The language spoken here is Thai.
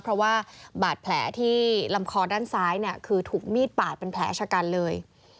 เพราะว่าบาดแผลที่ลำคอด้านซ้ายเนี่ยคือถูกมีดปาดเป็นแผลชะกันเลย